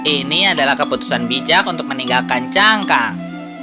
ini adalah keputusan bijak untuk meninggalkan cangkang